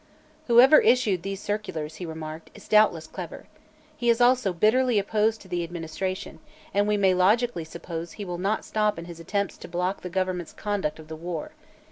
"Whoever issued these circulars," he remarked, "is doubtless clever. He is also bitterly opposed to the administration, and we may logically suppose he will not stop in his attempts to block the government's conduct of the war.